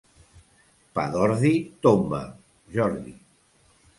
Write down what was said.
Pa d'ordi, tomba, Jordi.